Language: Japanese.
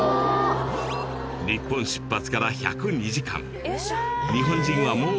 日本出発から１０２時間日本人はもう目の前だ